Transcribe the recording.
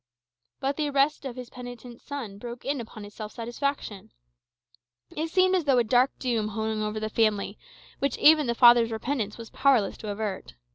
But the arrest of his penitent's son broke in upon his self satisfaction. It seemed as though a dark doom hung over the family, which even the father's repentance was powerless to avert.